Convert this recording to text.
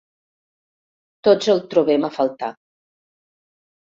Tots el trobem a faltar.